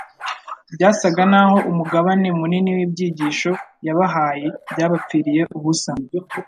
Byasaga naho umugabane munini w'ibyigisho yabahaye byabapfiriye ubusa.